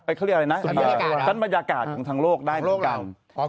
เขาเรียกอะไรนะชั้นบรรยากาศของทางโลกได้เหมือนกัน